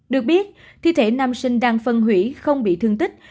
được biết thi thể nam sinh đang phân hủy không bị thương tích